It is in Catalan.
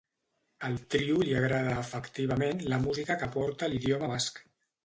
Al trio li agrada efectivament la música que porta l'idioma basc.